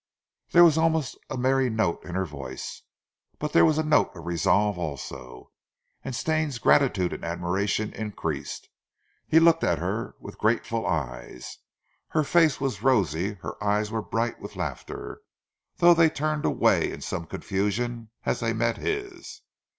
There was an almost merry note in her voice, but there was a note of resolve also; and Stane's gratitude and admiration increased. He looked at her with grateful eyes. Her face was rosy, her eyes were bright with laughter, though they turned away in some confusion as they met his.